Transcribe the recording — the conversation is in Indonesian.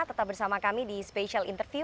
tetap bersama kami di special interview